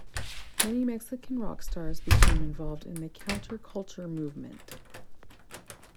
Many Mexican rock stars became involved in the counterculture movement.